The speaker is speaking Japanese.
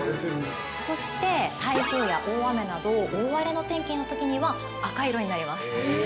そして台風や大雨など、大荒れの天気のときには、赤色になります。